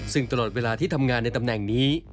ซึ่งตลอดเวลาที่ทำงานในตำแหน่งนี้